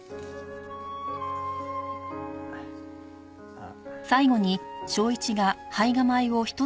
あっ。